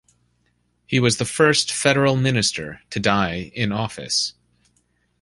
He was the first federal Minister to die in office.